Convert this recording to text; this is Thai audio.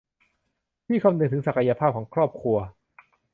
ที่คำนึงถึงศักยภาพของครอบครัว